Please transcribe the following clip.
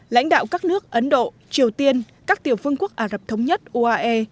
lãnh đạo các nước ấn độ triều tiên các tiểu phương quốc ả rập thống nhất uae